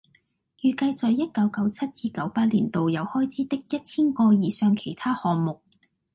預計在一九九七至九八年度有開支的一千個以上其他項目